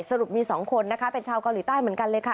สรุปมี๒คนนะคะเป็นชาวเกาหลีใต้เหมือนกันเลยค่ะ